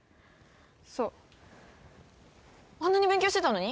そうあんなに勉強してたのに？